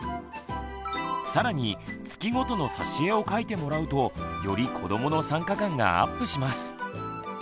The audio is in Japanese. さらに月ごとのさし絵を描いてもらうとより子どもの参加感がアップします。